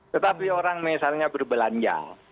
tetapi orang misalnya berbelanja